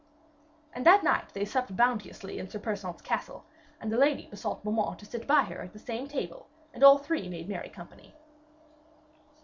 And that night they supped bounteously in Sir Persaunt's castle, and the lady besought Beaumains to sit by her at the same table, and all three made merry company.